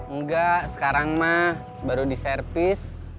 enggak sekarang mah baru diservis